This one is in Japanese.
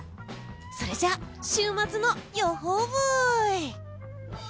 それじゃ、週末の予報ブイ！